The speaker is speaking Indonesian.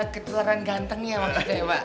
ketularan gantengnya pak